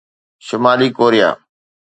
شمالي Korea